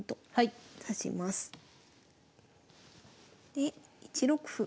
で１六歩。